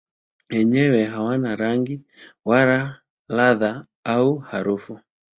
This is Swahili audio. Yenyewe hayana rangi wala ladha au harufu.